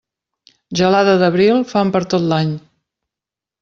Gelada d'abril, fam per tot l'any.